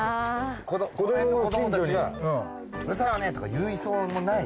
この辺の子どもたちが「うるさいわね！」とか言いそうもない。